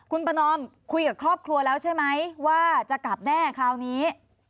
คุณประนอมคุยกับครอบครัวแล้วใช่ไหมว่าจะกลับแน่คราวนี้